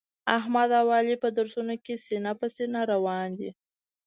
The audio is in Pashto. احمد او علي په درسونو کې سینه په سینه روان دي.